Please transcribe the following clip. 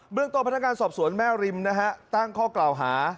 เมืองโตพัฒนาการสอบสวนแม่ริมตั้งข้าวคราวหา